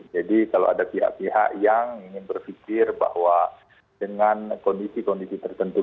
jadi kalau ada pihak pihak yang ingin berpikir bahwa dengan kondisi kondisi tertentu